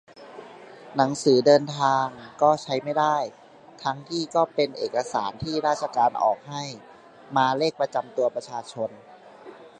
หนังสือเดินทางก็ใช้ไม่ได้ ทั้งที่ก็เป็นเอกสารที่ราชการออกให้ มาเลขประจำตัวประชาชน